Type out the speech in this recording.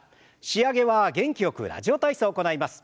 仕上げは元気よく「ラジオ体操」を行います。